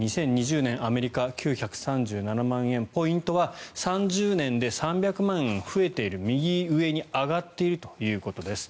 ２０２０年アメリカは９３７万円ポイントは３０年で３００万円増えている右上に上がっているということです。